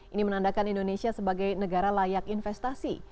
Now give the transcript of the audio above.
ini menandakan indonesia sebagai negara layak investasi